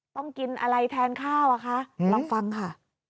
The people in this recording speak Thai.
ต้องกินอะไรแทนข้าวอ่ะคะลองฟังค่ะ